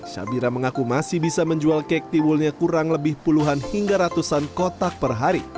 syabira mengaku masih bisa menjual kek tiwulnya kurang lebih puluhan hingga ratusan kotak per hari